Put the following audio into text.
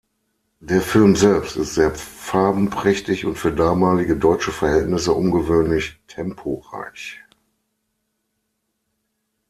Der Film selbst ist sehr farbenprächtig und für damalige deutsche Verhältnisse ungewöhnlich temporeich.